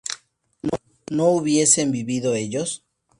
¿no hubiesen vivido ellos?